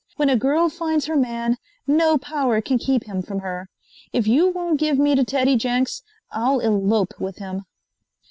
"When a girl finds her man, no power can keep him from her. If you won't give me to Teddy Jenks, I'll elope with him."